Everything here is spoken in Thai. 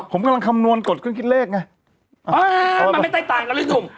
ผมกำลังคำนวณกฎเครื่องคิดเลขไงเออมันไม่ได้ต่างกันเลยหนุ่ม